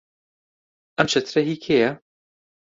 ئەم چەترە هی کێیە؟